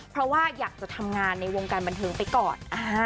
เพราะว่าอยากจะทำงานในวงการบันเทิงไปก่อน